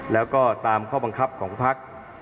แล้วก็ตามข้อบังคับของพัก